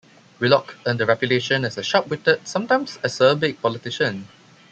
Willoch earned a reputation as a sharp-witted, sometimes acerbic politician.